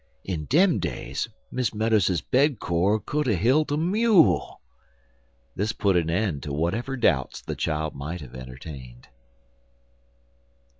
In dem days, Miss Meadows's bed cord would a hilt a mule." This put an end to whatever doubts the child might have entertained.